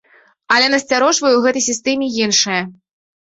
Але насцярожвае ў гэтай сістэме іншае.